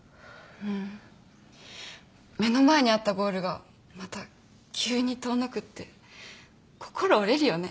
うん目の前にあったゴールがまた急に遠のくって心折れるよね。